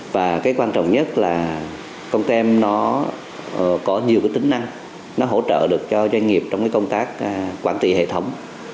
và cái quan trọng nhất là con tem nó có nhiều cái tính năng nó hỗ trợ được cho doanh nghiệp trong cái công tác quản lý hệ thống